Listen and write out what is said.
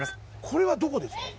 これはどこですか？